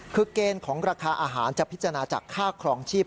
คือเกณฑ์ของราคาอาหารจะพิจารณาจากค่าครองชีพ